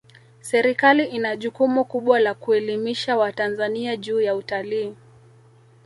serikali ina jukumu kubwa la kuelimisha watanzania juu ya utalii